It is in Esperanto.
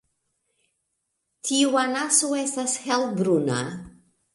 Tiu anaso estas helbruna.